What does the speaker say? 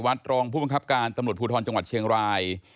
รองผู้บังคับการตำรวจภูทรจังหวัดเชียงราย